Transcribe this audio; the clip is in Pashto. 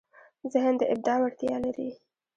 ذهن د ابداع وړتیا لري.